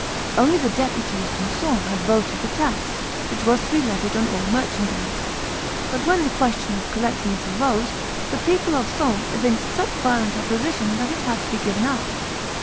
Only the deputies from Sens had voted a tax, which was to be levied on all merchandise; but, when the question of collecting it arose, the people of Sens evinced such violent opposition that it had to be given up.